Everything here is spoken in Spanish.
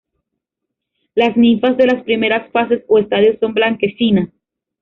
Las ninfas de las primeras fases o estadios son blanquecinas.